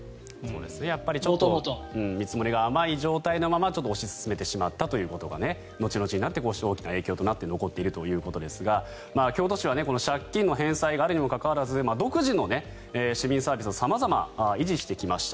ちょっと見積もりが甘い状態のまま推し進めてしまったということが後々になって大きな影響となって残っているということですが京都市は借金の返済があるにもかかわらず独自の市民サービスを様々維持してきました。